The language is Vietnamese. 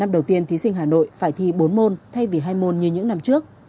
năm đầu tiên thí sinh hà nội phải thi bốn môn thay vì hai môn như những năm trước